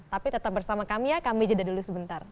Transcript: tapi tetap bersama kami ya kami jeda dulu sebentar